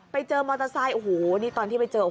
ไปเจอมอเตอร์ไซค์โอ้โหนี่ตอนที่ไปเจอ